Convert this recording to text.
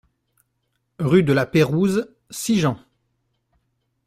Rue de la Pérouse, Sigean